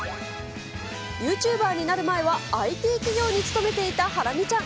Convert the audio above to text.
ユーチューバーになる前は、ＩＴ企業に勤めていたハラミちゃん。